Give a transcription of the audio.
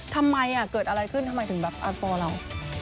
ทำไมอ่ะเกิดอะไรขึ้นทำไมถึงแบบอฟอร์เรา